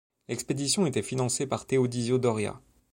L'expédition était financée par Teodisio Doria.